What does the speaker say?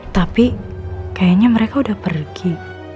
tapi kayaknya mereka udah pergi